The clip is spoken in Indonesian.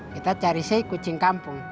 kita cari sih kucing kampung